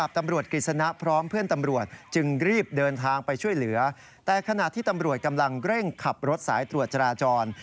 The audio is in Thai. แต่สำหรับตำรวจกำลังเร่งขับรถสายตรวจราจร